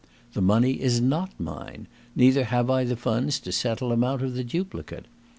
The money is not mine; neither have I the funds to settle amount of the duplicate.